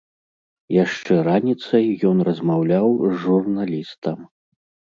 Яшчэ раніцай ён размаўляў з журналістам.